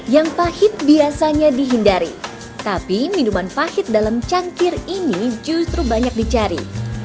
yang pahit biasanya dihindari tapi minuman pahit dalam cangkir ini justru banyak dicari